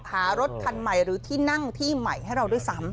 หารถคันใหม่หรือที่นั่งที่ใหม่ให้เราด้วยซ้ำ